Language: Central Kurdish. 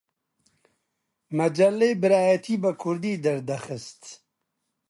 مەجەللەی برایەتی بە کوردی دەردەخست